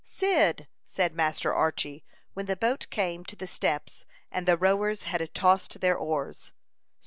"Cyd!" said Master Archy, when the boat came up to the steps, and the rowers had tossed their oars.